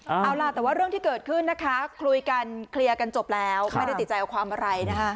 เอาล่ะแต่ว่าเรื่องที่เกิดขึ้นนะคะคุยกันเคลียร์กันจบแล้วไม่ได้ติดใจเอาความอะไรนะคะ